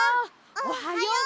おはよう。